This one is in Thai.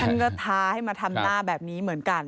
ท่านก็ท้าให้มาทำหน้าแบบนี้เหมือนกัน